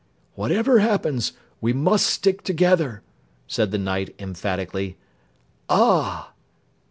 "Whatever happens, we must stick together," said the Knight emphatically. "Ah